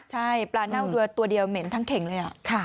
ใช่ปลาเน่าตัวเดียวเหม็นทั้งเข่งเลย